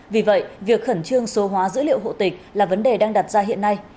vì vậy việc khẩn trương số hóa dữ liệu hộ tịch là vấn đề đang đặt ra hiện nay